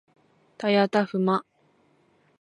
たやたふま